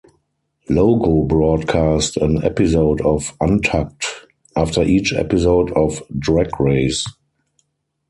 Logo broadcast an episode of "Untucked" after each episode of "Drag Race".